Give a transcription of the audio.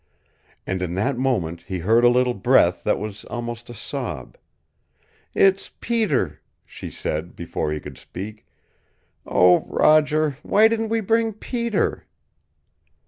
And in that moment he heard a little breath that was almost a sob. "It's Peter," she said, before he could speak. "Oh, Roger, why didn't we bring Peter?"